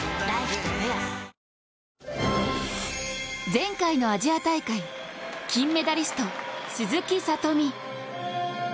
前回のアジア大会金メダリスト、鈴木聡美。